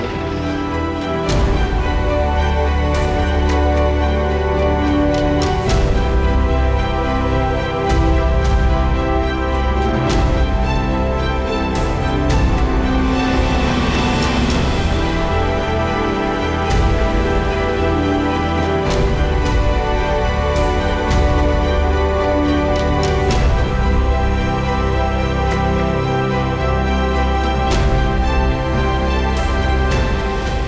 ayo kita pergi dari sini